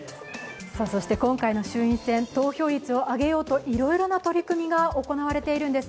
そして今回の衆院選、投票率を上げようといろいろな取り組みが行われているんです。